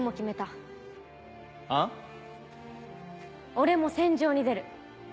俺も戦場に出る。